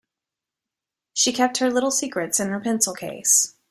She kept her little secrets in her pencil case.